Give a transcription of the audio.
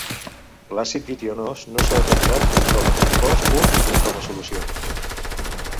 L'àcid ditionós no s'ha detectat ni com a compost pur ni com a solució.